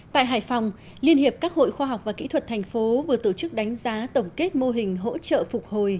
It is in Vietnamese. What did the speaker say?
tại hải phòng liên hiệp các hội khoa học và kỹ thuật thành phố vừa tổ chức đánh giá tổng kết mô hình hỗ trợ phục hồi